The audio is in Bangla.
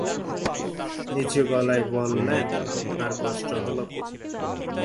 নিচু গলায় বললেন, আপনার কষ্ট হল খুব।